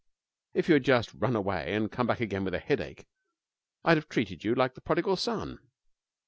If you had just run away and come back again with a headache, I'd have treated you like the Prodigal Son.